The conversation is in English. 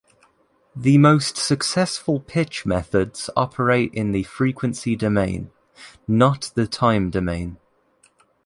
The most successful pitch methods operate in the frequency domain, not the time domain.